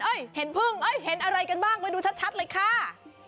เห็นพึ่งเอ้ยเห็นอะไรกันบ้างไปดูชัดเลยค่ะ